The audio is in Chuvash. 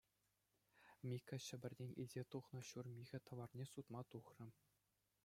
Микка Ҫӗпӗртен илсе тухнӑ ҫур михӗ тӑварне сутма тухрӗ.